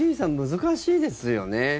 難しいですよね。